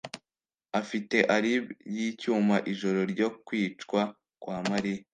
afite alibi yicyuma ijoro ryo kwicwa kwa Mariya